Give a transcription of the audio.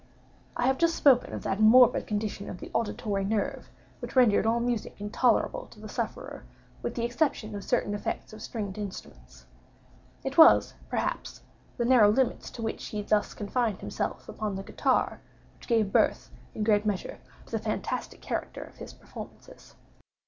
I have just spoken of that morbid condition of the auditory nerve which rendered all music intolerable to the sufferer, with the exception of certain effects of stringed instruments. It was, perhaps, the narrow limits to which he thus confined himself upon the guitar, which gave birth, in great measure, to the fantastic character of his performances.